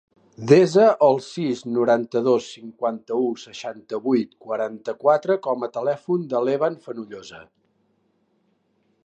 Desa el sis, noranta-dos, cinquanta-u, seixanta-vuit, quaranta-quatre com a telèfon de l'Evan Fenollosa.